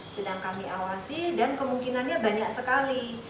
sedang kami awasi dan kemungkinannya banyak sekali